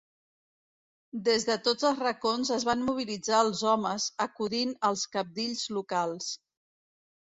Des de tots els racons es van mobilitzar els homes, acudint als cabdills locals.